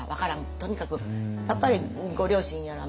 とにかくやっぱりご両親やら環境もあった。